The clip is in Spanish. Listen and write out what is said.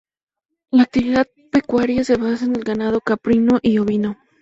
La actividad pecuaria se basa en el ganado caprino y ovino.